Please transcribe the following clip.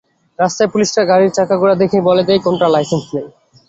রাস্তায় পুলিশরা গাড়ির চাকা ঘোরা দেখেই বলে দেয়, কোনটার লাইসেন্স নেই।